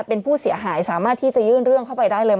เป็นผู้เสียหายสามารถที่จะยื่นเรื่องเข้าไปได้เลย